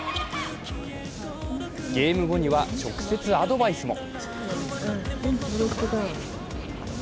ゲーム後には直接アドバイスも。